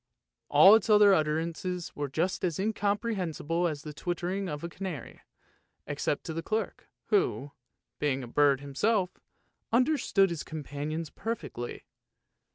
" All its other utterances were just as incomprehensible as the twittering of the canary, except to the clerk, who, being a bird himself, under stood his companions perfectly.